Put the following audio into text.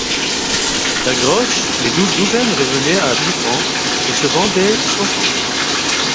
La grosse, les douze douzaines, revenait à dix francs, et se vendait soixante.